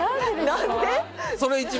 何で？